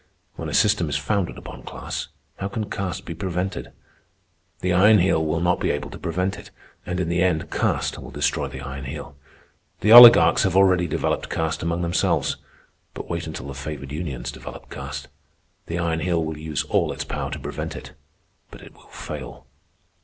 When a system is founded upon class, how can caste be prevented? The Iron Heel will not be able to prevent it, and in the end caste will destroy the Iron Heel. The oligarchs have already developed caste among themselves; but wait until the favored unions develop caste. The Iron Heel will use all its power to prevent it, but it will fail.